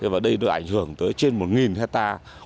và đây được ảnh hưởng tới trên một hectare